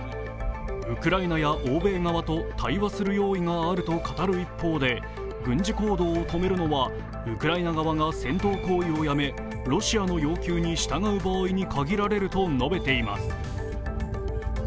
ウクライナや欧米側と対話する用意があると語る一方で、軍事行動を止めるのはウクライナ側が戦闘行為をやめロシアの要求に従う場合に限られると述べています。